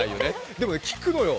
でもね、きくのよ！